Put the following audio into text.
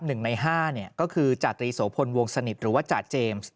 หนึ่งในห้าเนี่ยก็คือจาตรีโสพลวงสนิทหรือว่าจ่าเจมส์